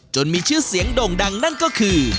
มีชื่อเสียงโด่งดังนั่นก็คือ